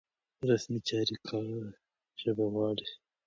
رسمي چارې کره ژبه غواړي.